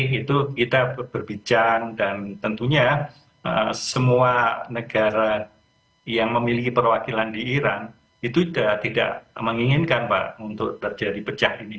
jadi kita berbicara dan tentunya semua negara yang memiliki perwakilan di teheran itu sudah tidak menginginkan pak untuk terjadi pecah ini